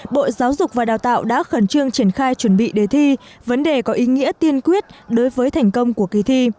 bộ giáo dục và đào tạo đã khẩn trương triển khai chuẩn bị đề thi vấn đề có ý nghĩa tiên quyết đối với thành công của kỳ thi